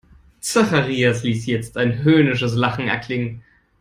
Zacharias ließ jetzt ein höhnisches Lachen erklingen.